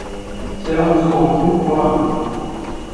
Sɛiɣ imeẓẓuɣen d imeqranen.